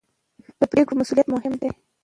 د پرېکړو مسوولیت مهم دی